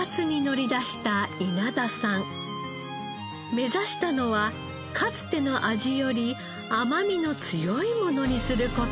目指したのはかつての味より甘みの強いものにする事。